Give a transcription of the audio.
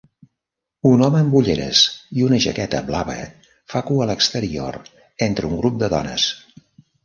Un home amb ulleres i una jaqueta blava fa cua al exterior entre un grup de dones